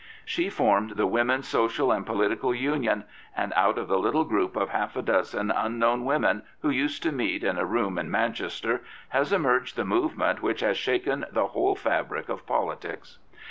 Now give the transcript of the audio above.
She formed the Women's Social and Political Union, and out of the little group of half a dozen un known women who used to meet in a room in Man chester has emerged the movement which has shaken the whole fabric of politics.